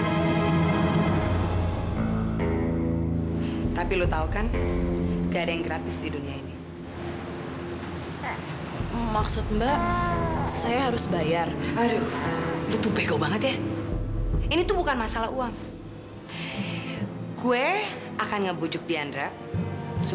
kami akan berusaha sekuat tenaga untuk menyelamatkan anak ibu